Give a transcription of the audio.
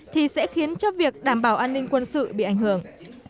thì sẽ khiến cho việc đảm bảo an ninh quân sự bị ảnh hưởng